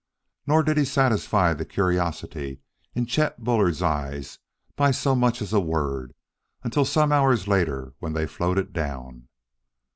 Nor did he satisfy the curiosity in Chet Bullard's eyes by so much as a word until some hours later when they floated down.